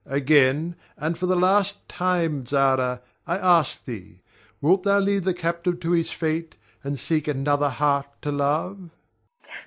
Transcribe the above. Again, and for the last time, Zara, I ask thee, Wilt thou leave the captive to his fate, and seek another heart to love?